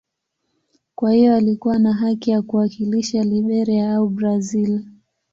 Kwa hiyo alikuwa na haki ya kuwakilisha Liberia au Brazil.